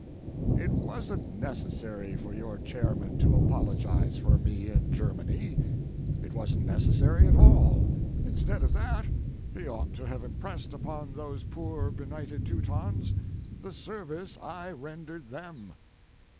It wasn't necessary for your chairman to apologize for me in Germany. It wasn't necessary at all. Instead of that he ought to have impressed upon those poor benighted Teutons the service I rendered them.